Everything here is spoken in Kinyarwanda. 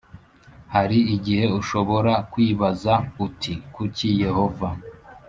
Hari igihe ushobora kwibaza uti kuki yehova